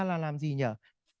là làm gì nhỉ